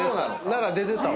奈良出てたわ。